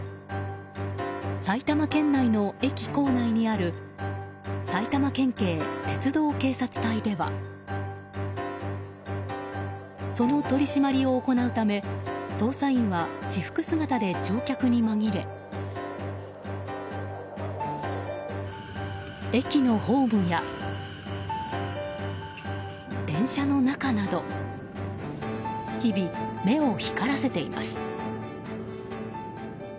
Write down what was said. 埼玉県内の駅構内にある埼玉県警鉄道警察隊ではその取り締まりを行うため捜査員は私服姿で乗客に紛れ駅のホームや電車の中など日々、目を光らせています。